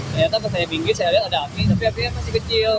ternyata pas saya pinggir saya lihat ada api tapi apinya masih kecil